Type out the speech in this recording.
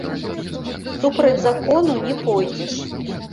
Супраць закону не пойдзеш.